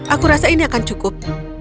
aku rasa ini akan cukup